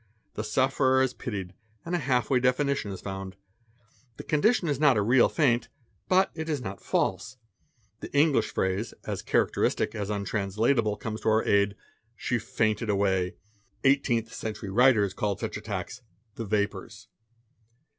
The sufferer is pitied and a half way definition is found: the condition is not a real faint, but it is not false. The English phrase, as characteristic as untranslat able, comes to our aid, "she fainted away.' Eighteenth century writers called such attacks "the vapours."